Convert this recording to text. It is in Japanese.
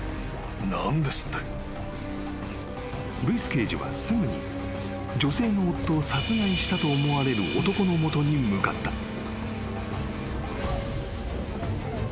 ［ルイス刑事はすぐに女性の夫を殺害したと思われる男の元に向かった］